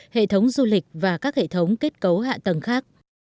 hệ thống du lịch và các hệ thống kết cấu hạ tầng khác